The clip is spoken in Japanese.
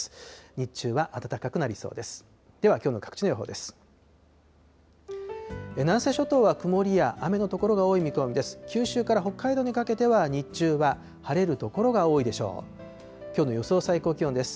日中は暖かくなりそうです。